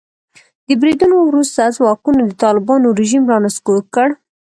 د بریدونو وروسته ځواکونو د طالبانو رژیم را نسکور کړ.